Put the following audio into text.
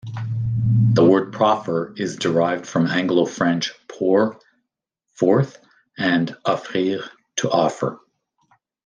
The word proffer is derived from Anglo-French "por-", forth, and offrir, to offer.